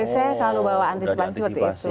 saya selalu bawa antisipasi